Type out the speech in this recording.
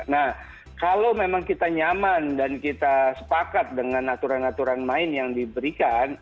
nah kalau memang kita nyaman dan kita sepakat dengan aturan aturan main yang diberikan